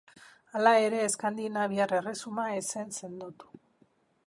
Hala ere, eskandinaviar erresuma ez zen sendotu.